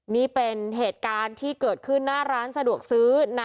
นี่เป็นเหตุการณ์ที่เกิดขึ้นหน้าร้านสะดวกซื้อ